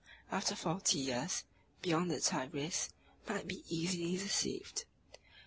310) after forty years, beyond the Tigris, might be easily deceived.